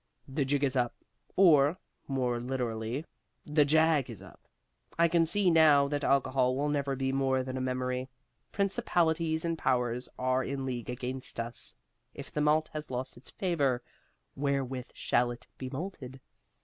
The jig is up, or (more literally), the jag is up. I can see now that alcohol will never be more than a memory. Principalities and powers are in league against us. If the malt has lost its favor, wherewith shall it be malted?"